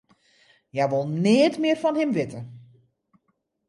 Hja wol neat mear fan him witte.